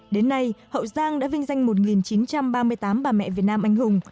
đến nay hậu giang đã vinh danh một chín trăm ba mươi tám bà mẹ việt nam anh hùng